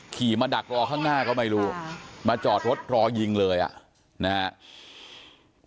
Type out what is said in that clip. ขี่มาดักรอข้างหน้าก็ไม่รู้มาจอดรถรอยิงเลยอ่ะนะฮะ